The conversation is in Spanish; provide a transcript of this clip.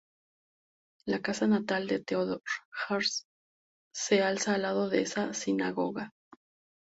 La casa natal de Theodor Herzl se alzaba al lado de esta sinagoga.